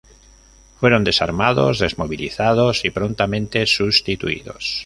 Fueron desarmados, desmovilizados, y prontamente sustituidos.